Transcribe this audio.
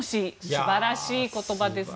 素晴らしい言葉ですね。